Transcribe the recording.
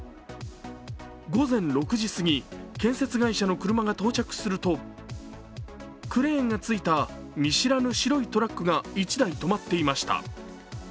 午前６時すぎ、建設会社の車が到着すると、クレーンがついた見知らぬ白いトラックが１台止まっていました。